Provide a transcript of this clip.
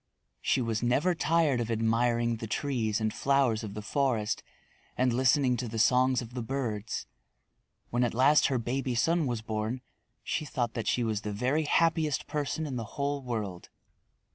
She was never tired of admiring the trees and flowers of the forest and listening to the songs of the birds. When at last her baby son was born she thought that she was the very happiest person in the whole world.